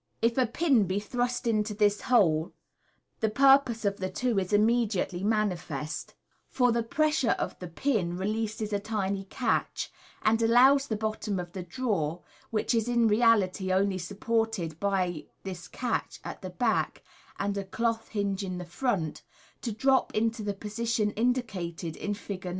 If a pin be thrust into this hole, the purpose of the two is immediately manifest ; for the pressure of the pin releases a tiny catch, and allows the bottom of the drawer, which is In reality only supported by this catch at the back and a cloth hinge in the front, to drop into the position indicated in Fig.